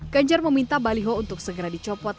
ganjar meminta baliho untuk segera dicopot